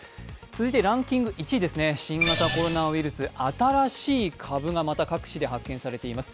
続いてランキング１位、新型コロナウイルス、新しい株がまた各地で発見されています。